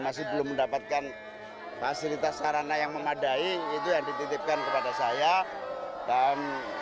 masih belum mendapatkan fasilitas sarana yang memadai itu yang dititipkan kepada saya dan